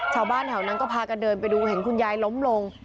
ชาวบ้านแถวนั้นก็พากันเดินไปดูเห็นคุณยายล้มลง